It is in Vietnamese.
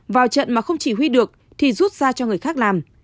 vào trận mà không chỉ huy được thì rút ra cho người khác làm